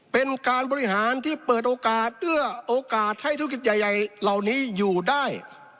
เป็นการบริหารที่เปิดโอกาสเอื้อโอกาสให้ธุรกิจใหญ่เหล่านี้อยู่ได้